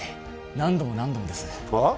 何度も何度もですはっ？